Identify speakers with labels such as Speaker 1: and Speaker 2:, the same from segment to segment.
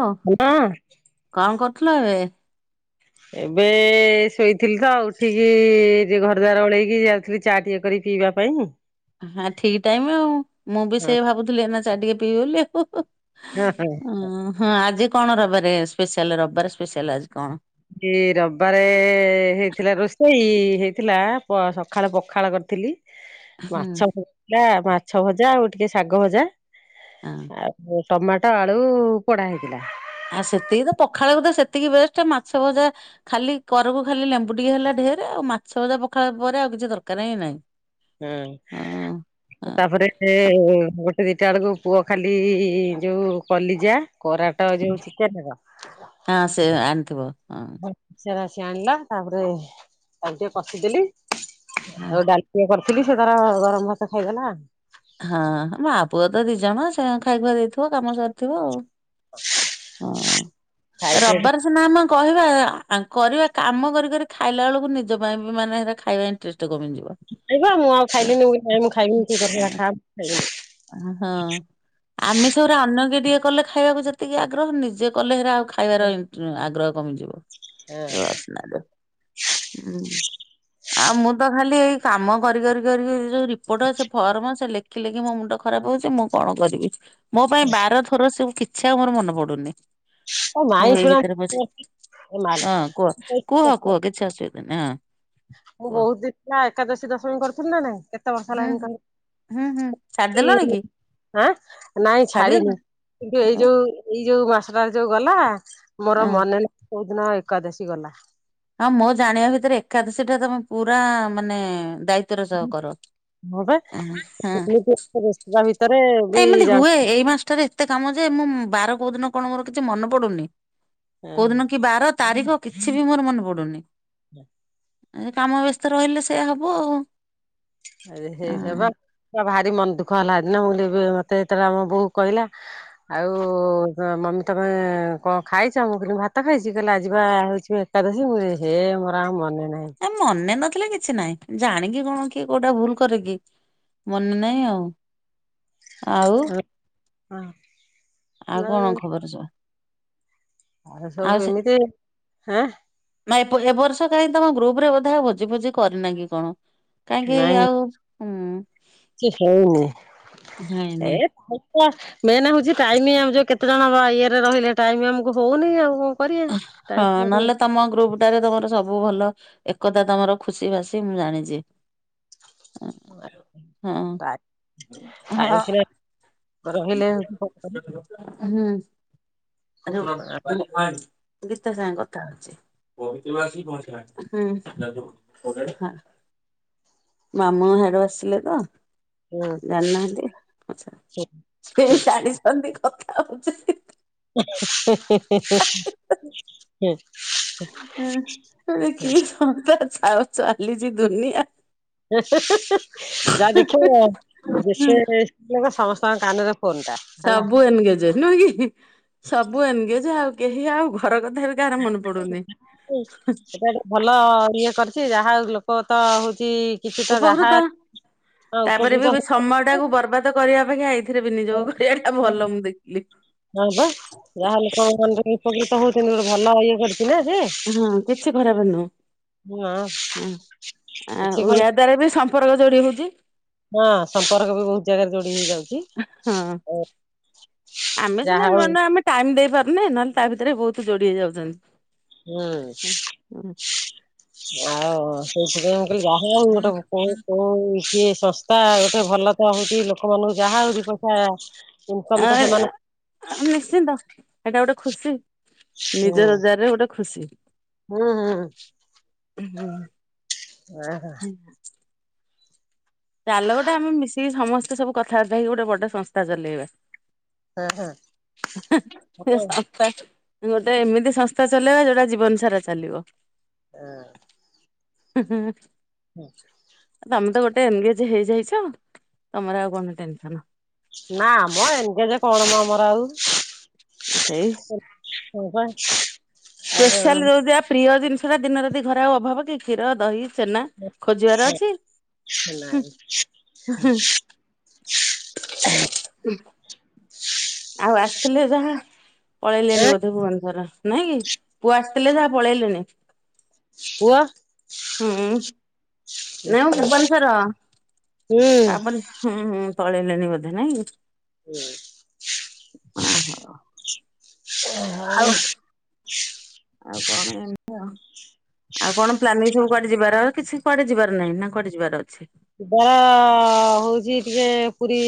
Speaker 1: ଓ
Speaker 2: ହଁ
Speaker 1: କଣ କରୁଥିଲ ଏବେ?
Speaker 2: ଏବେ ଶୋଇଥିଲି ତ, ଉଠିକି ଘରଦ୍ୱାର ଓଳେଇକି, ଯାଉଥିଲି ଚାଟିକିଏ ପିଇବା ପାଇଁ
Speaker 1: ହଁ ଠିକ ଟାଇମ ଆଉ ମୁଁ ବି
Speaker 2: ହଁ
Speaker 1: ସେ ଭାବୁଥିଲି ଏନା ଚା ଟିକେ ପିଇବି ବୋଲି ଆଉ
Speaker 2: ହଁ ହଁ।
Speaker 1: ଉଁ ହଁ ଆଜି କଣ ରବିବାରେ ସ୍ପେଶାଲ, ରବିବାର ସ୍ପେଶାଲ ଆଜି କଣ?
Speaker 2: ଏ ରବିବାରେ ହେଇଥିଲା ରୋଷେଇ ହେଇଥିଲା ସକାଳେ ପଖାଳ କରିଥିଲି,
Speaker 1: ହୁଁ।
Speaker 2: ମାଛଥିଲା ମାଛ ଭଜା, ଆଉ ଟିକେ ଶାଗ ଭଜା,
Speaker 1: ହଁ
Speaker 2: ଆଉ ଟମାଟୋ ଆଳୁ ପୋଡା ହେଇଥିଲା।
Speaker 1: ଆ ସେତିକି ତ, ପଖାଳକୁ ତ ସେତିକି ବେଷ୍ଟ, ମାଛ ଭଜା ଖାଲି କରକୁ ଖାଲି ଲେମ୍ବୁ ଟିକେ ହେଲା ଢ଼େରେ ଆଉ ମାଛଭଜା, ପଖାଳ ପରେ ଆଉ କିଛି ଦରକାର ହିଁ ନାହିଁ।
Speaker 2: ହୁଁ,
Speaker 1: ହଁ
Speaker 2: ତାପରେ ଗୋଟେ ସେ ଦିଟା ବେଳକୁ ପୁଅ ଖାଲି ଯୋଉ କଲିଜା କରାଟ ଯୋଉ ଚିକନର
Speaker 1: ହଁ ସେ ଆଣିଥିବ ହଁ।
Speaker 2: ଆସି ଆଣିଲା, ତାପରେ ତାକୁ ଟିକେ କଷିଦେଲି
Speaker 1: ହଁ
Speaker 2: ଆଉ ଡାଲି ଟିକେ କରିଥିଲି, ସେ ତାର ଗରମ ଭାତ ଖାଇଦେଲା।
Speaker 1: ହଁ, ମା ପୁଅ ତ ଦି ଜଣ ସେ ଖାଇଖୁଆ ଦେଇଥିବ, କାମ ସରିଥିବ ଆଉ
Speaker 2: [unintelligible]
Speaker 1: ହଁ
Speaker 2: ଖାଇକି ଏଠି
Speaker 1: ରବିବାର ସିନା ଆମେ କହିବା। ଆ କରିବା କାମ କରିି କରି ଖାଇଲା ବେଳକୁ ନିଜ ପାଇଁ ବି ମାନେ ସେଟା ଖାଇବା ଇଣ୍ଟ
Speaker 2: ଖାଇବା ମୁଁ ଆଉ ଖାଇଲିିନି ମୁଁ କହିଲି ହେ ମୁଁ ଖାଇବିନି ତୁ ତୋର ସେରା ଖା।
Speaker 1: ହଁ ଆମେ ସବୁରେ ଅନ୍ୟ କି ଟିକେ କଲେ ଖାଇବାକୁ ଯେତିକି ଆଗ୍ରହ ନିଜେ କଲେ ହେରା ଆଉ ଖାଇବାର ଇଣ୍ଟ ଆଗ୍ରହ କମିଯିବ ଏ
Speaker 2: ହଁ
Speaker 1: ବାସ୍ନା ଯୋଉ ହୁଁ। ଆଉ ମୁଁ ତ ଖାଲି ଏଇ କାମ କରି କରି କରି ଯୋଉ ରିପୋର୍ଟ ସେ ଫର୍ମ ସେ ଲେଖି ଲେଖି ମୋ ମୁଣ୍ଡ ଖରାପ ହଉଛି ମୁଁ କଣ କରିବି ମୋ ପାଇଁ ବାର ଥର ସବୁ କିଛି ଆଉ ମୋର ମନେ ପଡୁନି।
Speaker 2: ଏ
Speaker 1: ହଉ
Speaker 2: ମାଇଁ
Speaker 1: ଏଇ
Speaker 2: ଶୁଣ
Speaker 1: ଭିତରେ ବୁଝେ
Speaker 2: ଏ ମାଲୋ
Speaker 1: ହଁ କୁହ କୁହ କୁହ କିଛି ଆସୁବି ନା।
Speaker 2: ମୁଁ ବହୁତ ଦିନ ଏକାଦଶୀ ଦଶମୀ କରୁଥିଲି ନା ନାଇଁ କେତେ ବର୍ଷ
Speaker 1: ହୁଁ।
Speaker 2: ଲାଗଣିି
Speaker 1: ହୁଁ ହୁଁ
Speaker 2: କହିଲ।
Speaker 1: ଛାଡିଦେଲଣି କି
Speaker 2: ଆଁ ନାଇଁ ଛାଡିନି
Speaker 1: ଛାଡିଦେଲଣି
Speaker 2: କିନ୍ତୁ ଏଇ
Speaker 1: ଆଉ
Speaker 2: ଯୋଉ ଏଇ ଏ ଯୋଉ ମାସଟାରେ ଯୋଉ ଗଲା ମୋର
Speaker 1: ହଁ
Speaker 2: ମନେ ନାହି କୋଉ ଦିନ ଏକାଦଶୀ ଗଲା।
Speaker 1: ହଁ ମୋ ଜାଣିବା ଭିତରେ ଏକାଦଶୀ ଟା ତମେ ପୁରା ମାନେ ଦାୟିତ୍ୱର ସହ କର
Speaker 2: ହଁ ବା
Speaker 1: ଆଁ ହାଁ।
Speaker 2: ଏମିତି ବ୍ୟସ୍ତତା ଭିତରେ ବି
Speaker 1: ଏମିତି ହୁଏ ଏଇ ମାସଟାରେ ଏତେ କାମ ଯେ ମୁଁ ବାର କୋଉ ଦିନ କଣ ମୋର କିଛି ମନେ ପଡୁନି।
Speaker 2: ଜା
Speaker 1: କୋଉ ଦିନ କି ବାର ତାରିଖ କିଛି ବି ମୋର ମନେ ପଡୁନି।
Speaker 2: [inaudible]
Speaker 1: କାମ ବ୍ୟସ୍ତ ରହିଲେ ସେୟା ହବ ଆଉ।
Speaker 2: ଆରେ ହେବ ଭା ରି ମନ ଦୁଃଖ ହେଲା ସେ ଦିନ ମୁଁ କହିଲି ଏବେ ମତେ ଯେତେବେଳେ ଆମ ବୋହୁ କହିଲା ଆଉ ମମି ତମେ କଣ ଖାଇଛ ମୁଁ କହିଲି ଭାତ ଖାଇଛି କହିଲା ଆଜିି ବା ହୋଇଛି ଏକାଦଶୀ ମୁଁ ହେ ମୋର ଆଉ ମନେ ନାହିଁ।
Speaker 1: ଏ ମନେ ନ ଥିଲେ କିଛି ନାଇଁ ଜାଣିକି କଣ କି କୋଉଟା ଭୁଲ କରରେ କିି ମନେ ନାହିଁ ଆଉ। ଆଉ
Speaker 2: ହଁ।
Speaker 1: ଆଉ କଣ ଖବର ସବୁ। ଆଉ
Speaker 2: ସବୁ
Speaker 1: ସେ
Speaker 2: ଏମିତି ଆଁ
Speaker 1: ନା ଏ ଏବ ବର୍ଷ କାହିଁ ତମ ଗ୍ରୁପ ରେ ବୋଧେ ଭୋଜି ଫୋଜି କରି ନାଁ କି କଣ କାହିଁକି
Speaker 2: ନାଇଁ
Speaker 1: ଆଉ ହୁଁ
Speaker 2: କିଛି ହେଇନି
Speaker 1: ହେଇନି
Speaker 2: ଏ ମେନ୍ ହଉଛି ଟାଇମ ଆମ ଯୋଉ କେତେ ଜଣ ବା ଇଏରେ ରହିଲେ ଟାଇମ ଆମକୁ ହଉନି ଆଉ। କରିବା।
Speaker 1: ହଁ
Speaker 2: ଟାଇମ
Speaker 1: ନହେଲେ ତମ ଗ୍ରୁପ ଟାରେ ତମର ସବୁ ଭଲ ଏକତା ତମର ଖୁସି ବାସି ମୁଁ ଜାଣିଛି। ହଁ ହଁ ହଁ।
Speaker 2: ରହିଲେ
Speaker 1: ହୁଁ। ଗୀତା ସାଙ୍ଗେ କଥା ହଉଚି। ହୁଁ ହଁ। ମାମୁ ହାଡୁ ଆସିଲେ ତ ଜାଣିନାହାନ୍ତି ଆଚ୍ଛା ସେ ଜାଣିଛନ୍ତି କଥା ହଉଚି।
Speaker 2: ହୁଁ।
Speaker 1: ହୁଁ ସେ କି ସଂସ୍ଥା ଚା ଚାଲିଛି ଦୁନିଆ।
Speaker 2: ଯାହା ଦେଖିବ
Speaker 1: ହୁଁ
Speaker 2: ଯେତେ ସ୍ତ୍ରୀ ଲୋକ ସମସ୍ତଙ୍କ କାନରେ ଫୋନ ଟା ହେଲା।
Speaker 1: ସବୁ ଏନଗେଜ ନୁହେଁ କି ସବୁ ଏନଗେଜେ ଆଉ କେହି ଆଉ ଘର କ
Speaker 2: ସେଟା ଭଲ ଇଏ କରି ଚି ଯାହା ହଉ ଲୋକ ତ ହଉଚି
Speaker 1: ଉପକୃତ ତାପରେ
Speaker 2: ଉପକୃତ
Speaker 1: ବି ବି ସମୟ ଟାକୁ ବର୍ବାଦ କରିବା ଅପେକ୍ଷା ଏଇ
Speaker 2: ହଁ ହଁ ହଁ ବା ଯାହା ଲୋକ ଙ୍କ ମନରେ ଉପକୃତ ହଉ ଗୋ ଭଲ ଇଏ ଗୋ
Speaker 1: ହଁ କିଛି ଖରାପ ନୁହ।
Speaker 2: ହଁ। କିଛି
Speaker 1: ଆଉ
Speaker 2: କଣ
Speaker 1: ୟା ଦ୍ଵାରା ବି ସମ୍ପର୍କ ଯୋଡି ହଉଛି
Speaker 2: ହଁ ସମ୍ପର୍କ ବି ବହୁତ ଜାଗାରେ ଯୋଡି ହେଇଯାଉଛି।
Speaker 1: ହଁ ଆମେ
Speaker 2: ଯାହା
Speaker 1: ସିନା
Speaker 2: ହଉ
Speaker 1: ନୂଆ ନୂ ଆମେ ଟାଇମ ଦେଇ ାର ନା ନହେଲେ ତା ଭିତରେ ବହୁତ ଯୋଡ଼ି ହେଇଯାଉଛନ୍ତି।
Speaker 2: ହୁଁ। ଆଉ ସେଇଥିପାଇଁ ମୁଁ କହିଲି ଯାହା ଆଉ ଗୋଟେ କୋଉ କୋଉ କିଏ ଶସ୍ତା ଗୋଟେ ଭଲ ତ ହଉଛି ଲୋକମାନାନଙ୍କୁ ଯାହା ହଉଛିି ପଇସା ଇନକମ୍
Speaker 1: ଆ
Speaker 2: ତ ସେମାନେ
Speaker 1: ନିଶ୍ଚିନ୍ତ ଏଇଟା ଗୋଟେ ଖୁସି
Speaker 2: ହୁଁ
Speaker 1: ନିଜ ରଜାରରେ ଗୋଟେ ଖୁସି।
Speaker 2: ହୁଁ ହୁଁ
Speaker 1: ହୁଁ
Speaker 2: ଓ ହୋ।
Speaker 1: ହୁଁ। ଚାଲ ଗୋଟେ ଆମେ ମିଶିକି ସମସ୍ତେ ସବୁ କଥାବାର୍ତ୍ତା ହେଇକି ଗୋଟେ ବଡ ସଂସ୍ଥା ଚଲେଇବା।
Speaker 2: ଆ ହା
Speaker 1: ସେ ସ ଗୋଟେ ଏମିତି ସଂସ୍ଥା ଚଲେଇବା ଯୋଉଟା ଜୀବନ ସାରା ଚାଲିବ।
Speaker 2: ହଁ।
Speaker 1: [inaudible]
Speaker 2: ହୁଁ।
Speaker 1: ତମେ ତ ଗୋଟେ ଏନଗେଜ ହେଇଯାଇଛ ତମର ଆଉ କଣ ଟେନସନ।
Speaker 2: ନା ଆମ ଏନଗେଜ କଣ ମ ମର ଆଉ
Speaker 1: ସେଇ
Speaker 2: କ
Speaker 1: ସ୍ପେଶାଲ ଯୋଉ ପ୍ରିୟ ଜିନିଷ ଟା ଦିନ ରାତିି ଘରା ଆଉ ଅଭାବ କି କ୍ଷୀର ଦହି ଚେନା ଖୋଜିବାର ଅଛି।
Speaker 2: ନାଇଁ
Speaker 1: ଆଉ ଆସିଥିଲେ ଯାହା
Speaker 2: ଏ
Speaker 1: ପଳେଇଲେଣି ବୋଧେ ଭୁବନେଶ୍ୱର। ନାଇଁ କି ପୁଅ ଆସିଥିଲେ ଯାହା ପଳେଇଲେନି।
Speaker 2: ପୁଅ
Speaker 1: ହୁଁ ଭୁବନେଶ୍ୱର
Speaker 2: ହୁଁ
Speaker 1: ତା ପରେ ହୁଁ ହୁଁ। ପଳେଇଲେଣିି ବୋଧେ ନାଇଁ ଆହୋ।
Speaker 2: ହଉ।
Speaker 1: ଆଉ କଣ ଏମତି ଆଉ। ଆଉ କଣ ପ୍ଲାନିଂ ସବୁ କରି ଯିବାର କିଛି କୁଆଡି ଯିବାର ନାହିଁ ନା କୁଆଡେ ଯିବାର ଅଛି।
Speaker 2: ଯିବାର ହଉଚି ଟିକେ ପୁରୀ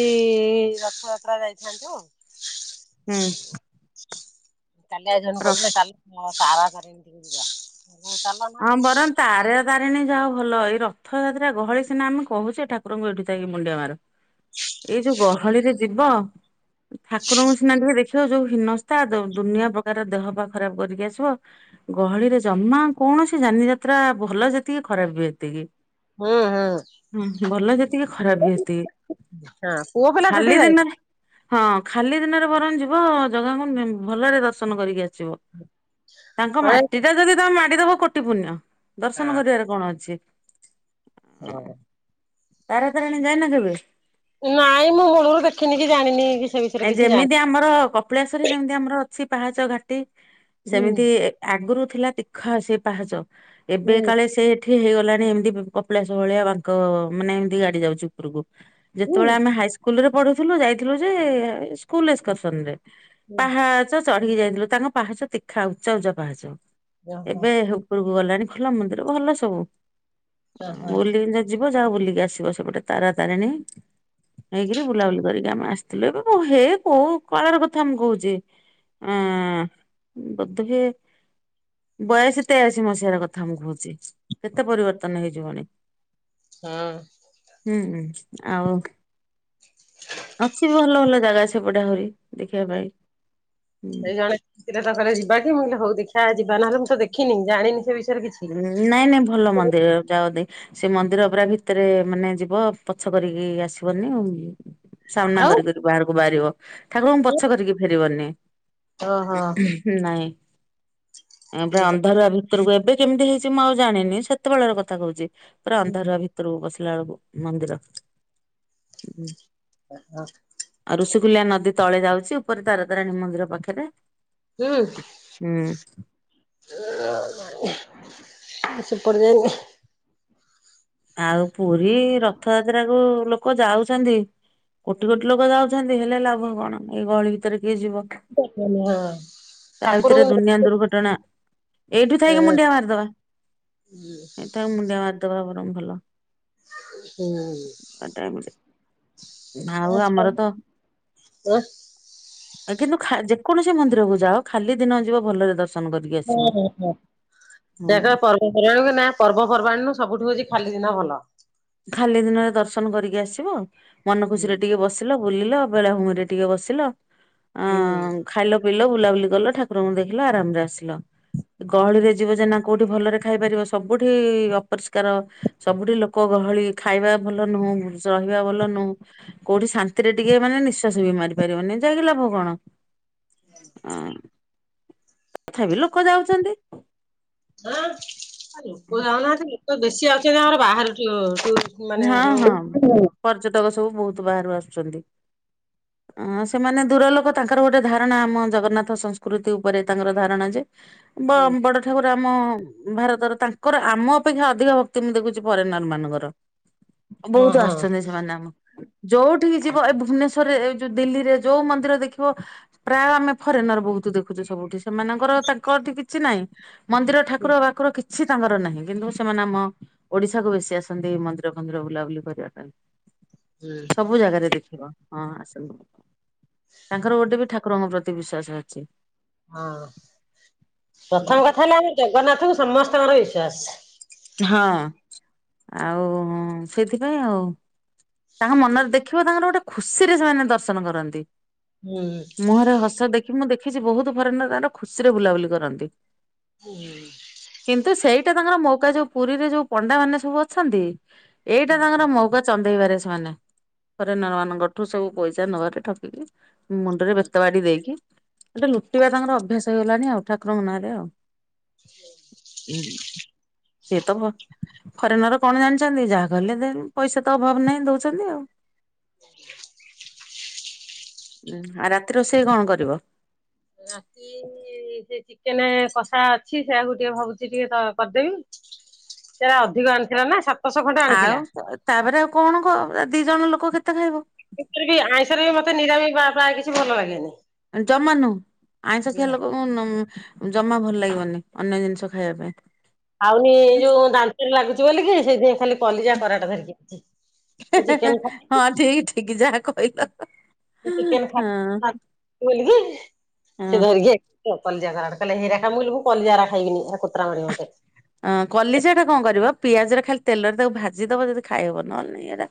Speaker 2: ରଥଯାତ୍ରା ଯାଇଥାନ୍ତୁ।
Speaker 1: ହୁଁ।
Speaker 2: କଲ ଜନ
Speaker 1: ର
Speaker 2: କସଥିଲେ ତଲ କାର କରରେ ଏିତି
Speaker 1: ହଁ ବରତା ଆରେ ଟ୍ରେନରେ ଯାଅ ଭଲ ଏଇ ରଥଯାତ୍ରା ଗହଳି ସିନା ଆମେ କହୁଛେ ଠାକୁରଙ୍କୁ ଏଠୁ ଯାଇକି ମୁଣ୍ଡିଆ ମାର। ଏଇ ଯୋଉ ଗହଳିରେ ଯିବ ଠାକୁରଙ୍କ ସିନା ରେ ଦେଖି ଯୋଉ ହୀନସ୍ତା ଦୁନିଆ ପ୍ରକାର ଦେହ ବା ଖରାପ କରିକି ଆସିବ ଗହଳିରେ ଜମା କୌଣସି ଯାନି ଯାତ୍ରା ଭଲ ଯେତିକି ଖରାପ ବି ସେତିକି।
Speaker 2: ହୁଁ ହୁଁ
Speaker 1: ହୁଁ ଭଲ ଯେତିକି ଖରାପ ବି ସେତିକି।
Speaker 2: ହଁ ପୁଅ ପିଲା ଜେଦି
Speaker 1: ଖାଲି
Speaker 2: ଯାଇ
Speaker 1: ଦିନରେ ହଁ ଖାଲି ଦିନରେ ବରଂ ଯିବ ଜଗାଙ୍କୁ ଭଲରେ ଦର୍ଶନ କରିକି ଆସିବ। ତାଙ୍କ
Speaker 2: ହଁ
Speaker 1: ମାଟି ଟା ଯଦି ତମେ ମାଡିଦବ କୋଟି ପୁଣ୍ୟ। ଦର୍ଶନ କରିବାରେ କଣ ଅଛି।
Speaker 2: ହଁ।
Speaker 1: ତାରା ତାରିଣୀ ଯାଇନ କେବେ?
Speaker 2: ନାଇଁ ମୁଁ ମୂଳରୁ ଦେଖିନି କି ଜାଣିନି କି ସେ ବିଷୟରେ
Speaker 1: ଏ
Speaker 2: କିଛି ଜାଣି
Speaker 1: ଯେମିତି ଆମର କପିଳେଶ୍ୱର ଯେମିତି ଆମର ଅଛି ପାହାଚ ଘାଟି
Speaker 2: ହୁଁ
Speaker 1: ସେମିତି ଆଗରୁ ଥିଲା ତୀଖ ସେ ପାହାଚ ଏବେ
Speaker 2: ହୁଁ
Speaker 1: କାଳେ ସେ ଏଠିକି ହେଇଗଲାଣି ଏମିତି କପିଳାସ ଭଳିଆ ବାଙ୍କ ମାନେ ଏମିତି ଗାଡି ଯାଉଛି ଉପରକୁ।
Speaker 2: ହୁଁ
Speaker 1: ଯେତେବେଳେ ଆମେ ହାଇ ସ୍କୁଲ ରେ ପଢୁଥିଲୁ ଯାଇଥିଲୁ ଯେ ସ୍କୁଲ ଏକ୍ସସନ ରେ।
Speaker 2: ହୁଁ
Speaker 1: ପାହାଚ ଚଢିକି ଯାଇଥିଲୁ ତାଙ୍କ ପାହାଚ ତୀଖା ଉଚା ଉଚା ପାହାଚ।
Speaker 2: ଓହୋ
Speaker 1: ଏବେ ଉପରକୁ ଗଲାଣି ଖୋଲା ମନ୍ଦିର ଭଲ ସବୁ
Speaker 2: ଓହୋ
Speaker 1: ଓଲେହିକି ତ ଯିବ ଯାଅ ବୁଲିକି ଆସିବ ସେପଟେ ତାରା ତାରିଣୀ ହେଇକିରି ବୁଲାବୁଲି କରିକି ଆମେ ଆସିଥିଲୁ। ମୁଁ ହେ କହୁ କଳାର କଥା ମୁଁ କହୁଛି। ହଁ ବୋଧେ। ବାୟାଳିଶ୍ ତେୟାଳିଶି ମସିହାର କଥା ମୁଁ କହୁଛି। କେତେ ପରିବର୍ତ୍ତନ ହେଇଯିବଣି [inaudible]
Speaker 2: ହଁ
Speaker 1: ହୁଁ ହୁଁ। ଆଉ [inaudible] ଅଛି ବି ଭଲ ଭଲ ଜାଗା ସେପଟେ ଆହୁରି। ଦେଖିବା ପାଇଁ
Speaker 2: [inaudible]
Speaker 1: ହୁଁ
Speaker 2: ସେଇ ଜଣେ ତାପରେ ଯିବା କି ମୁଁ କହିଲି ହଉ ଦେଖିଆ। ଆ ଯିବା ନହେଲେ ମୁଁ ତ ଦେଖିନି ଜାଣିନି ସେ ବିଷୟରେ। କିଛି
Speaker 1: ନାଇଁ ନାଇଁ ଭଲ ମନ୍ଦିର ଯାଅ ଦେଖ ସେ ମନ୍ଦିର ପୁରା ଭିତରେ ମାନେ ଯିବ ପଛ କରିକି ଆସିବନି ଆଉ। ସାମ୍ନା
Speaker 2: ଆଉ
Speaker 1: କରି କରି ବାହାରକୁ ବାହାରିବ ଠାକୁରଙ୍କୁ ପଛ କରିକି ଫେରିବନି।
Speaker 2: ଓହୋ
Speaker 1: [inaudible] ନାଇଁ। ପୁରା
Speaker 2: ହୁଁ
Speaker 1: ଅନ୍ଧାରୁଆ ଭିତରକୁ ଏବେ କେମିତି ହେଇଛି ମୁଁ ଆଉ ଜାଣିନି ସେତେବେଳର କଥା କହୁଛି। ପୁରା ଅନ୍ଧାରୁଆ ଭିତର କୁ ପଶିଲା ବେଳ କୁ ମନ୍ଦିର।
Speaker 2: ହ।
Speaker 1: ଋଷିକୂଲ୍ୟା ନଦୀ ତଳେ ଯାଉଛି ଉପରେ ତାର ତାରାଣୀ ମନ୍ଦିର ପାଖରେ।
Speaker 2: ହୁଁ। [unintelligible] ସେପଟେ ଯାଇନି।
Speaker 1: ଆଉ ପୁରୀ ରଥଯାତ୍ରା କୁ ଲୋକ ଯାଉଛନ୍ତି କୋଟି କୋଟି ଲୋକ ଯାଉଛନ୍ତି ହେଲେ ଲାଭ କଣ ଏଇ ଗହଳି ଭିତରେ କିଏ ଯିବ।
Speaker 2: ହଁ
Speaker 1: [inaudible] ତା ଭିତରେ
Speaker 2: ଠାକୁରଙ୍କୁ
Speaker 1: ଦୁନିଆ ଦୁର୍ଘଟଣା। ଏଇଠୁ ଥାଇକି
Speaker 2: ହଁ
Speaker 1: ମୁଣ୍ଡିଆ ମାରିଦବା ଏଇଠି ଥାଇକି ମୁଣ୍ଡିଆ ମାରିଦବା ବରଂ ଭଲ।
Speaker 2: ହୁଁ।
Speaker 1: ଆଉ
Speaker 2: ଆଚ୍ଛା
Speaker 1: ଆମର ତ [inaudible] କିନ୍ତୁ ଯେକୌଣସି ମନ୍ଦିର କୁ ଯାଅ ଖାଲି ଦିନ ଯିବ ଭଲରେ ଦର୍ଶନ। କରିକି
Speaker 2: ହଁଁ
Speaker 1: ଆସିବ।
Speaker 2: ହଁ ହଁ
Speaker 1: ହଁ
Speaker 2: ଜାଗା ପର୍ବପର୍ବାଣୀ ନା ପର୍ବପର୍ବାଣୀ ନୁ ସବୁଠୁ ହଉଛି ଖାଲି ଦିନ ଭଲ।
Speaker 1: ଖାଲି ଦିନରେ ଦର୍ଶନ କରିକି ଆସିବ ମନ
Speaker 2: ହୁଁ।
Speaker 1: ଖୁସିରେ ଟିକେ ବସିଲ। ବୁଲିଲ ବେଳାଭୂମିରେ ଟିକେ ବସିଲ ଅ
Speaker 2: ହଁ
Speaker 1: ଖାଇଲ ପିଇଲ ବୁଲାବୁଲି। କଲ ଠାକୁରଙ୍କୁ ଦେଖିଲ ଆରାମରେ ଆସିଲ ଗହଳିରେ ଯିବ ଯେ ଏଇନା କୋଉଠି ଭଲରେ ଖାଇପାରିବ ସବୁଠି ଅପରିଷ୍କାର ସବୁଠି ଲୋକ। ଲୋକ ଗହଳି ଖାଇବା ଭଲ ନୁହଁ ରହିବା ଭଲ ନୁହଁ କୋଉଠି ଶାନ୍ତିରେ ଟିକେ ମାନେ ନିଃଶ୍ଵାସ ବି ମାରି ପାରିବନି ଯାଇକ ଲାଭ କଣ [inaudible] ଆ। ତଥାପି ଲୋକ ଯାଉଛନ୍ତି।
Speaker 2: ହଁ ଲୋକ ଯାଉନାହାନ୍ତି ଲୋକ ବେଶୀ ଯାଉଛନ୍ତି ଆମର ବାହାରୁୁ ମାନେ
Speaker 1: ହଁ ହଁ
Speaker 2: ଯୋଉ।
Speaker 1: ପର୍ଯ୍ୟଟକ ସବୁ ବହୁତ ବାହାରୁ ଆସୁଛନ୍ତି। ଅଁ ସେମାନେ ଦୂର ଲୋକ ତାଙ୍କର ଗୋଟେ ଧାରଣା ଆମ ଜଗନ୍ନାଥ ସଂସ୍କୃତି ଉପରେ ତାଙ୍କର ଧାରଣା ଯେ ବ ବଡ ଠାକୁର ଆମ ଭାରତର ତାଙ୍କର ଆମ ଅପେକ୍ଷା ଅଧିକ ଭକ୍ତି ମୁଁ ଦେଖୁଛି ଫରେନର ମାନଙ୍କର। ବହୁତ
Speaker 2: ହଁ
Speaker 1: ଆସୁଛନ୍ତି ସେମାନେ ଆମ ଯୋଉଠିକି ଯିବ ଏ ଭୁବନେଶ୍ଵରରେ ଦିଲ୍ଲୀରେ ଯୋଉ ମନ୍ଦିର ଦେଖିବ ପ୍ରାୟ ଆମେ ଫରେନର ବହୁତ ଦେଖୁଛୁ ସବୁଠି ସେମାନଙ୍କର ତାଙ୍କ ସେଠି କିଛି ନାଇଁ। ମନ୍ଦିର ଠାକୁର ବାକୁର କିଛି ତାଙ୍କର ନାହିଁ କିନ୍ତୁ ସେମାନେ ଆମ ଓଡିଶାକୁ ବେଶୀ ଆସନ୍ତି ମନ୍ଦ ମନ୍ଦିର ଫନ୍ଦିର ବୁଲାବୁଲି କରିବା ପାଇଁ
Speaker 2: ହୁଁ
Speaker 1: ସବୁ ଜାଗାରେ ଦେଖିବ ହଁ ଆସନ୍ତୁ। ତାଙ୍କର ଗୋଟେ ବି ଠାକୁରଙ୍କ ପ୍ରତି ବିଶ୍ଵାସ ଅଛି।
Speaker 2: ହଁ ପ୍ରଥମ କଥା ହେଲା କି ଜଗନ୍ନାଥଙ୍କୁ ସମସ୍ତଙ୍କର ବିଶ୍ଵାସ।
Speaker 1: ହଁ ଆଉ ସେଥିପାଇଁ ଆଉ ତାଙ୍କ ମନରେ ଦେଖିବ ତାଙ୍କର ଗୋଟେ ଖୁସି ରେ ସେମାନେ ଦର୍ଶନ କରନ୍ତି।
Speaker 2: ହୁଁ
Speaker 1: ମୁହଁରେ ହସ ଦେଖି ମୁଁ ଦେଖିଛି ବହୁତ ଫରେନର ତାଙ୍କର ଖୁସିରେ ବୁଲାବୁଲି କରନ୍ତି।
Speaker 2: [unintelligible]
Speaker 1: ତ ତାଙ୍କର ମୌକା ଯୋଉ ପୁରୀରେ ଯୋଉ ପଣ୍ଡା ମାନେ ସବୁ ଅଛନ୍ତି, ଏଇଟା ତାଙ୍କର ମଉକା ଚନ୍ଦେଇବାରେ ସେମାନେ ଫରେନର ମାନଙ୍କଠୁ ସବୁ ପଇସା ନବାରେ ଠକିକି ମୁଣ୍ଡରେ ବେତ ବାଡ଼ି ଦେଇକି ଗୋଟେ ଲୁଟିବା ତାଙ୍କର ଅଭ୍ୟାସ ହେଇଗଲାଣି ଆଉ, ଠାକୁରଙ୍କ ନାଁରେ ଆଉ। [unintelligible] ସିଏ ତ ଭ ଫରେନର କଣ ଜାଣିଛନ୍ତି, ଯାହା କହିଲେ ଦେ ପଇସା ତ ଅଭାବ ନାହିଁ ଦଉଛନ୍ତି ଆଉ ଉଁ, ଆଉ ରାତିରେ ରୋଷେଇ କଣ କରିବ?
Speaker 2: ରାତି ସେ ଚିକେନ କଷା ଅଛି, ସେଇଆକୁ ଟିକେ ଭାବୁଛି ଟିକେ କରିଦେବି।
Speaker 1: [inaudible]
Speaker 2: ସେଗୁଡା ଅଧିକ ଆଣିଥିଲା ନା, ସା
Speaker 1: ଆଉ ତ ତାପରେ ଆଉ କଣ କ ଦି ଜଣ ଲୋକ କେତେ ଖାଇବ।
Speaker 2: ଏମିତିରେ ବି ଆଇଁଷରେ ବି ମତେ ନିରାମି ବା ପ୍ରାୟ କିଛି ଭଲ ଲାଗେନି।
Speaker 1: ଜମା ନୁ ଆଇଁଷ ଖିଆ ଲୋକଙ୍କୁ ଉଁ ଜମା ଭଲ ଲାଗିବନି, ଅନ୍ୟ ଜିନିଷ ଖାଇବା ପାଇଁ।
Speaker 2: ଆଉଏଇ ଯୋଉ ଦାନ୍ତରେ ଲାଗୁଛି ବୋଲିକି ସେଇଥି ପାଇଁ ଖାଲି କଲିଜା କରାଟା ଧରିକି ଆଇଛି।
Speaker 1: ହେଁ ହେଁ ହେଁ ହଁ ଠିକ ଠିକ ଯାହା କହିଲ।
Speaker 2: ଚିକେନ ଖାଇ
Speaker 1: ହଁ।
Speaker 2: [unintelligible] ସେ
Speaker 1: ହଁ
Speaker 2: ଧରିକି ଆଇଛି କଲିଜା କରାଟ କହିଲା ହେଇଗୁରାକ ଖା, ମୁଁ କହିଲି କଲିଜାଗୁଡ଼ା ଖାଇବିନି, ସେ କୁତ୍ରା ମାଡିବ ମତେ।
Speaker 1: ଅ କଲିଜା ଟା କଣ କରିବ ପିଆଜରେ ଖାଲି ତେଲରେ ତାକୁ ଭାଜି ଦବ ଯଦି ଖାଇହବ ନହେଲେ ନାହିଁ ଏଇଟା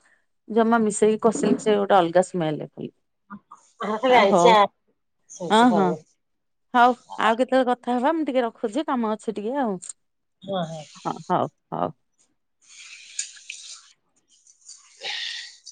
Speaker 1: ଜମା ମିଶେଇକି କଷିଲେ ସେ ଗୋଟେ ଅଲଗା ସ୍ମେଲ ହୁଏ।
Speaker 2: ହଁ ଖାଲି
Speaker 1: ଆ ହଉ
Speaker 2: ଆଇଁସିଆ
Speaker 1: ହଁ ହଁ ହଉ ଆଉ କେତେବେଳେ କଥ କଥା ହେବା ମୁଁ ଟିକେ ରଖୁଛି, କାମ ଅଛି ଟିକେ ଆଉ, ହଁ ହଉ ହଉ।
Speaker 2: [unintelligible]